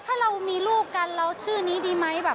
ถ้าเรามีลูกกันแล้วชื่อนี้ได้ไหม